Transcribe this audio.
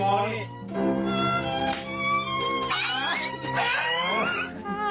มันโดนหรือยังมันโดนหรือยัง